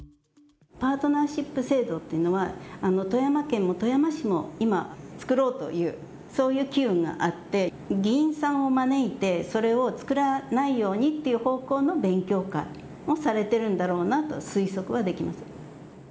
パートナーシップ制度っていうのは、富山県も富山市も、今、作ろうという、そういう機運があって、議員さんを招いて、それを作らないようにっていう方向の勉強会をされてるんだろうなと推測はできます。